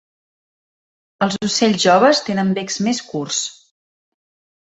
Els ocells joves tenen becs més curts.